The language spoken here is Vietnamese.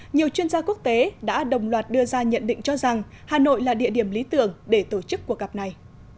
nhiều chuyên gia quốc tế đã đồng loạt đưa ra nhận định cho rằng hà nội là địa điểm lý tưởng để tổ chức cuộc gặp này